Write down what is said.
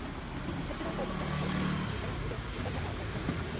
Předsedal politickému "Spolku německých měšťanů a zemědělců Šumperka a okolí".